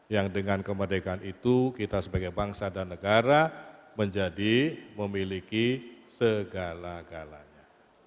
yang dengan kemerdekaan itu kita sebagai bangsa dan negara menjadi memiliki segala galanya